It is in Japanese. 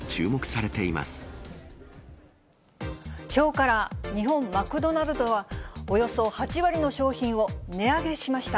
きょうから日本マクドナルドは、およそ８割の商品を値上げしました。